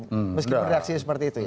meskipun reaksi seperti itu ya